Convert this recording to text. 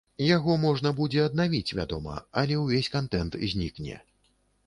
Яго можна будзе аднавіць, вядома, але увесь кантэнт знікне.